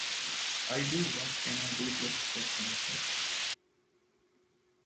I do what I can to express myself.